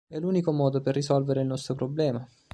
È l'unico modo per risolvere il nostro problema".